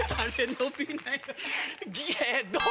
伸びない。